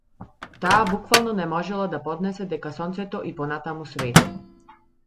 Таа буквално не можела да поднесе дека сонцето и понатаму свети.